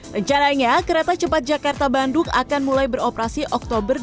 rencaranya kereta cepat jakarta bandung akan mulai beroperasi oktober